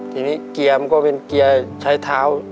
ทีนี้เกียร์มันก็เป็นเกียร์ใช้เท้า